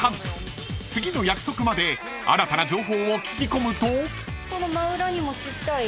［次の約束まで新たな情報を聞き込むと］